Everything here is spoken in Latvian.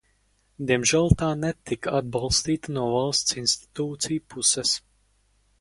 Diemžēl tā netika atbalstīta no valsts institūciju puses.